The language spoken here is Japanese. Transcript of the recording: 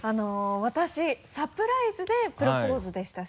私サプライズでプロポーズでしたし。